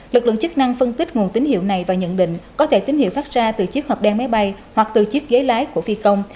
lực lượng chức năng phân tích nguồn tín hiệu này và nhận định có thể tín hiệu phát ra từ chiếc hộp đen máy bay hoặc từ chiếc ghế lái của phi công